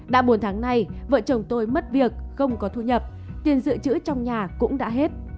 đã bốn tháng nay vợ chồng tôi mất việc không có thu nhập tiền dự trữ trong nhà cũng đã hết